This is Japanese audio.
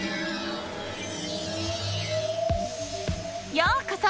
ようこそ！